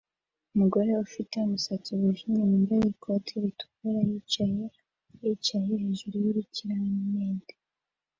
Umugore ufite umusatsi wijimye wambaye ikote ritukura yicaye yicaye hejuru y'urukiramende